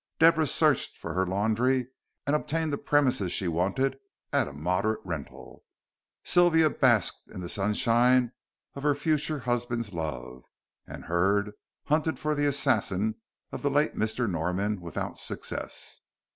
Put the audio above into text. Deborah searched for her laundry and obtained the premises she wanted at a moderate rental. Sylvia basked in the sunshine of her future husband's love, and Hurd hunted for the assassin of the late Mr. Norman without success.